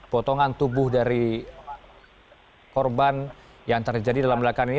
potongan tubuh dari korban yang terjadi dalam belakang ini